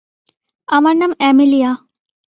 আমার নাম অ্যামেলিয়া।